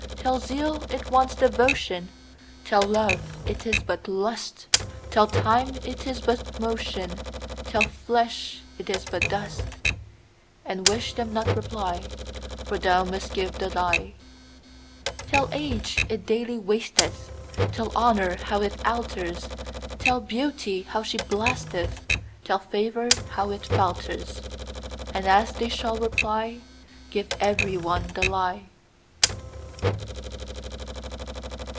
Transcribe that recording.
Tell zeal it wants devotion; Tell love it is but lust; Tell time it is but motion; Tell flesh it is but dust:And wish them not reply, For thou must give the lie. Tell age it daily wasteth; Tell honour how it alters; Tell beauty how she blasteth; Tell favour how it falters:And as they shall reply, Give every one the lie.